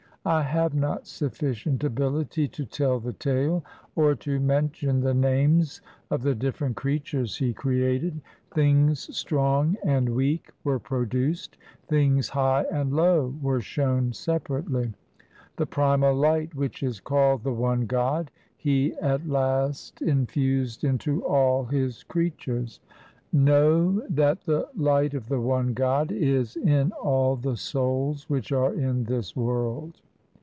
I have not sufficient ability to tell the tale, Or to mention the names of the different creatures He created. Things strong and weak were produced ; Things high and low were shown separately. The primal light which is called the one God, He at last infused into all His creatures. Know that the light of the one God Is in all the souls which are in this world.